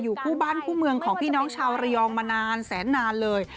คู่บ้านคู่เมืองของพี่น้องชาวระยองมานานแสนนานเลย